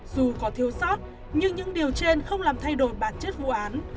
dù có thiếu sót nhưng những điều trên không làm thay đổi bản chất vụ án